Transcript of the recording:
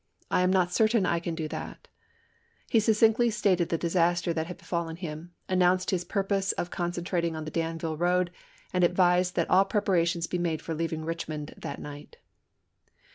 I am not certain I can Me2Jolr8 do that." He succinctly stated the disaster that Vegi!6' had befallen him, announced his purpose of concen trating on the Danville road, and advised that all preparations be made for leaving Eichmond that api. 2, 1865 night.